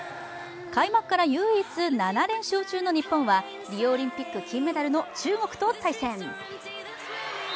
開幕から唯一、７連勝中の日本はリオオリンピック金メダルの中国と対戦。